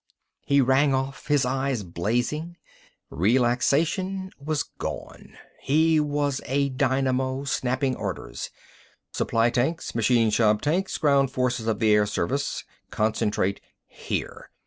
He rang off, his eyes blazing. Relaxation was gone. He was a dynamo, snapping orders. "Supply tanks, machine shop tanks, ground forces of the air service, concentrate here!"